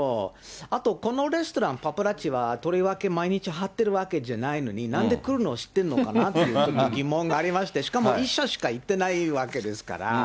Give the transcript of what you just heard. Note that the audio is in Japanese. あと、このレストラン、パパラッチはとりわけ毎日張ってるわけじゃないのに、なんで来るの知ってるのかっていう疑問がありまして、しかも１社しか行ってないわけですから。